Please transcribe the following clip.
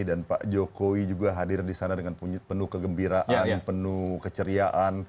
dan pak jokowi juga hadir di sana dengan penuh kegembiraan penuh keceriaan